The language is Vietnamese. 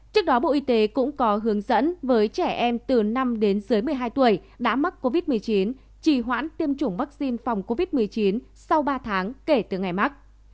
trước đó bộ y tế cũng có hướng dẫn với trẻ em từ năm đến dưới một mươi hai tuổi đã mắc covid một mươi chín trì hoãn tiêm chủng vaccine phòng covid một mươi chín sau ba tháng kể từ ngày mắc